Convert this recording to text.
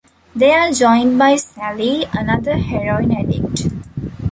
They are joined by Sally, another heroin addict.